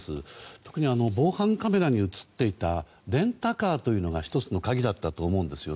特に防犯カメラに映っていたレンタカーというのが１つの鍵だったと思うんです。